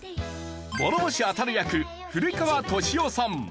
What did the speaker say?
諸星あたる役古川登志夫さん。